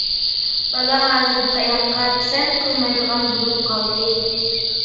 بالا ھازىر تاياققا پىسەنت قىلمايدىغان بولۇپ قالدى.